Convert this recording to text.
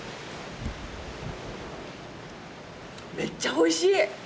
めっちゃおいしい！